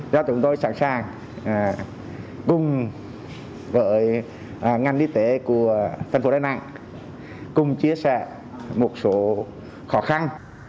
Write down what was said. do chúng tôi sẵn sàng cùng với ngành y tế của thành phố đà nẵng cùng chia sẻ một số khó khăn